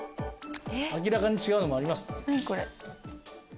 明らかに違うのもあります。